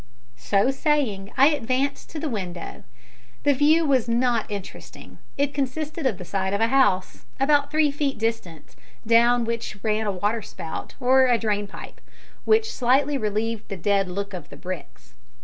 So saying, I advanced to the window. The view was not interesting. It consisted of the side of a house; about three feet distant, down which ran a water spout, or drain pipe, which slightly relieved the dead look of the bricks.